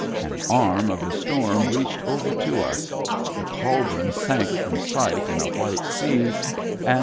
An arm of the storm reached over to us, the cauldron sank from sight in a white sea, and.